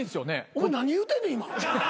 お前何言うてんねん今。